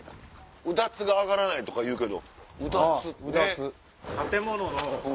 「うだつが上がらない」とか言うけど。